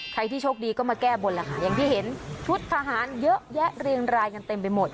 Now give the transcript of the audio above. ใครที่โชคดีก็มาแก้บนแล้วค่ะอย่างที่เห็นชุดทหารเยอะแยะเรียงรายกันเต็มไปหมด